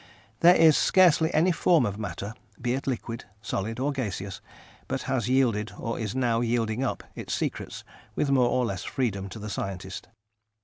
There is scarcely any form of matter, be it liquid, solid, or gaseous, but has yielded or is now yielding up its secrets with more or less freedom to the scientist.